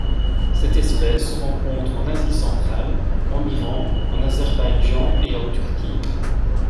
Cette espèce se rencontre en Asie centrale, en Iran, en Azerbaïdjan et en Turquie.